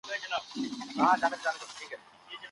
سپین سرې وویل چې د ځونډي لور ډېره هوښیاره ده.